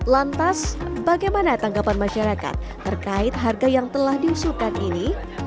lantas bagaimana tanggapan masyarakat terkait harga yang telah diusulkan ini